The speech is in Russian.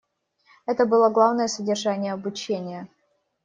Это было главное содержание обучения.